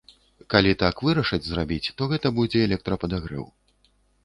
Калі так вырашаць зрабіць, то гэта будзе электрападагрэў.